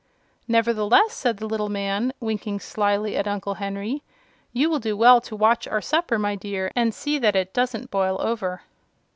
"Nevertheless," said the little man, winking slyly at Uncle Henry, "you will do well to watch our supper, my dear, and see that it doesn't boil over."